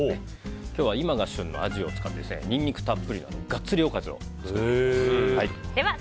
今日は今が旬のアジを使ってニンニクたっぷりのガッツリおかずを作っていきます。